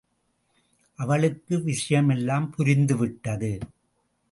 அவளுக்கு விஷயமெல்லாம் புரிந்துவிட்டது.